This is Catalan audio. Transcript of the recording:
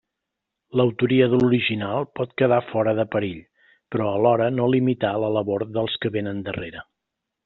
L'autoria de l'original pot quedar fora de perill però alhora no limitar la labor dels que vénen darrere.